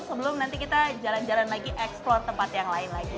sebelum nanti kita jalan jalan lagi eksplor tempat yang lain lagi